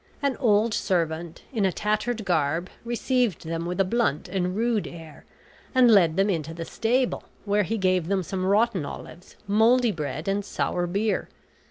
An old servant, in a tattered garb, received them with a blunt and rude air, and led them into the stable, where he gave them some rotten olives, moldy bread, and sour beer.